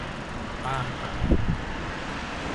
ตามหา